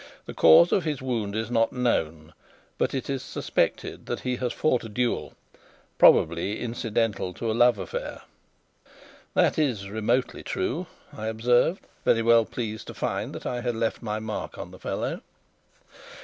The cause of his wound is not known, but it is suspected that he has fought a duel, probably incidental to a love affair.'" "That is remotely true," I observed, very well pleased to find that I had left my mark on the fellow.